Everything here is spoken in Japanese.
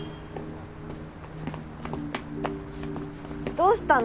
どうしたの？